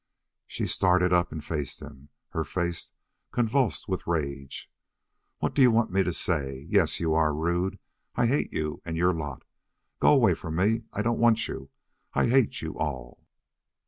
She started up and faced him, her face convulsed with rage. "What do you want me to say? Yes, you are rude I hate you and your lot. Go away from me; I don't want you; I hate you all."